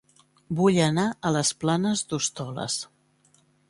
Vull anar a Les Planes d'Hostoles